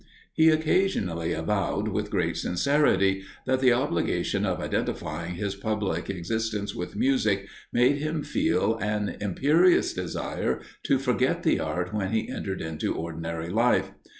He occasionally avowed, with great sincerity, that the obligation of identifying his public existence with music made him feel an imperious desire to forget the art when he entered into ordinary life.